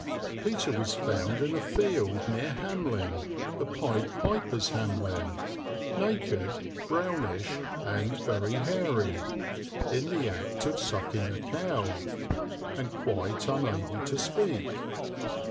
Peter was found in a field near Hamelin, the Pied Piper's Hamelin, naked, brownish, and very hairy, in the act of sucking a cow; and quite unable to speak.